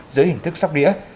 dưới hình thức sóc đĩa